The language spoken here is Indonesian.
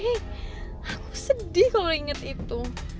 eh aku sedih kalau inget itu